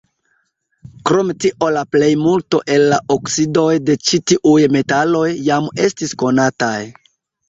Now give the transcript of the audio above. Krom tio la plejmulto el la oksidoj de ĉi-tiuj metaloj jam estis konataj.